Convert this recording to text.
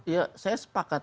ya saya sepakat